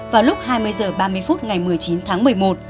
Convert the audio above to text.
vào lúc hai mươi h ba mươi phút ngày một mươi chín tháng một mươi một